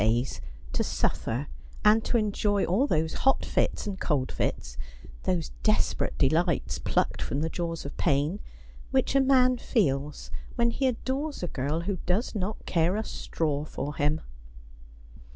195 days to suffer and enjoy all those hot fits and cold fits, those des perate delights plucked from the jaws of pain, which a man feels when he adores a girl who does not care a straw for him.